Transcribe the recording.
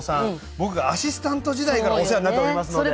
僕がアシスタント時代からお世話になっておりますので。